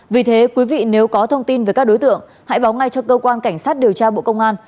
vì thế quý vị nếu có thông tin về các đối tượng hãy báo ngay cho cơ quan cảnh sát điều tra bộ công an